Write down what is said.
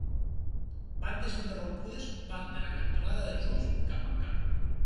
Bandes interrompudes van de la cantonada dels ulls cap al cap.